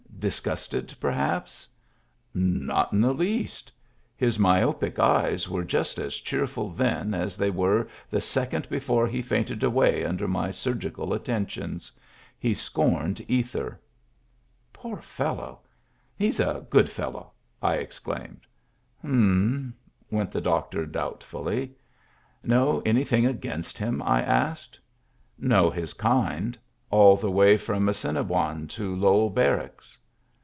" Disgusted, perhaps ?"" Not in the least. His myopic eyes were just as cheerful then as they were the second be fore he fainted away under my surgical attentions. He scorned ether." "Poor fellow! He's a good fellow!" I ex claimed. " M'm," went the doctor, doubtfully. " Know anything against him ?" I asked. "Know his kind. All the way from Assini boine to Lowell Barracks."